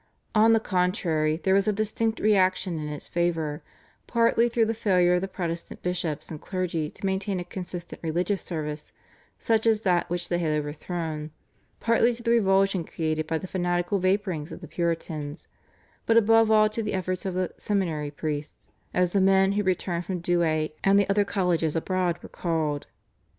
On the contrary there was a distinct reaction in its favour, partly through the failure of the Protestant bishops and clergy to maintain a consistent religious service such as that which they had overthrown, partly to the revulsion created by the fanatical vapourings of the Puritans, but above all to the efforts of the "seminary priests," as the men who returned from Douay and the other colleges abroad were called.